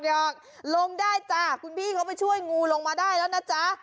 ยอมลงได้จ้ะคุณพี่เขาไปช่วยงูลงมาได้แล้วนะจ๊ะ